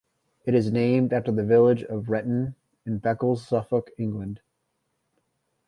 It is named after the village of Wrentham in Beccles, Suffolk, England.